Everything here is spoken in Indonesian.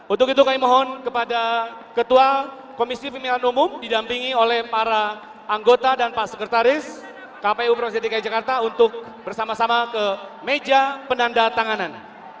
untuk itu kami mohon kepada ketua komisi pemilihan umum didampingi oleh para anggota dan pak sekretaris kpu provinsi dki jakarta untuk bersama sama ke meja penanda tanganan